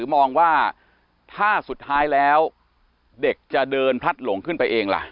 มองว่าถ้าสุดท้ายแล้วเด็กจะเดินพลัดหลงขึ้นไปเองล่ะ